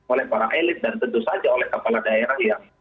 oleh para elit dan tentu saja oleh kepala daerah yang